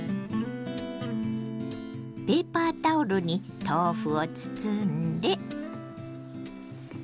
ペーパータオルに豆腐を包んで。